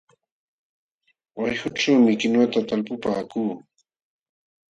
Wayqućhuumi kinwata talpupaakuu.